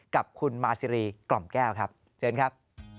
กับคุณมาซีรีกล่อมแก้วครับเชิญครับ